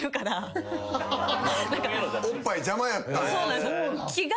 おっぱい邪魔やったんや。